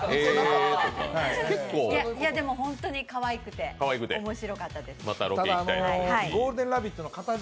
いや、でも本当にかわいくて面白かったです。